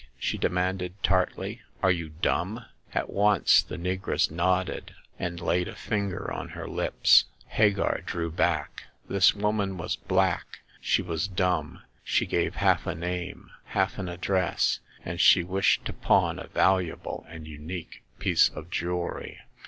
she demanded, tartly. " Are you dumb ?" At once the negress nodded, and laid a fovgg.t 64 . Hagar of the Pawn Shop. on her lips. Hagar drew back. This woman was black, she was dumb, she gave half a name, half an address, and she wished to pawn a valu able and unique piece of jewelry.